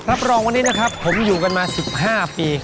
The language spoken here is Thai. รับรองวันนี้นะครับผมอยู่กันมา๑๕ปี